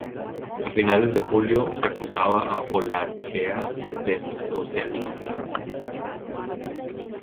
A finales de julio, se acusaba a Olaechea de socialista.